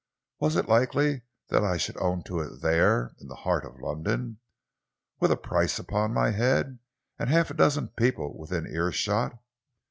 "Was it likely that I should own to it there, in the heart of London, with a price upon my head, and half a dozen people within earshot?